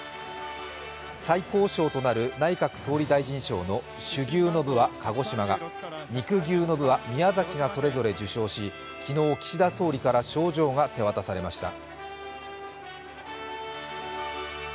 最高賞となる内閣総理大臣賞の種牛の部は鹿児島が、肉牛の部は宮崎がそれぞれ受賞し昨日、岸田総理から賞状が手渡されました。